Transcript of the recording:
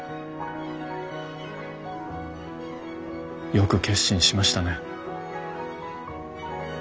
よく決心しましたね。